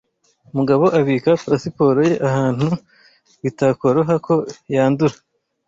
Mugabo abika pasiporo ye ahantu bitakoroha ko yandura.